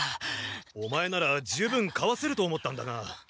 オマエなら十分かわせると思ったんだが。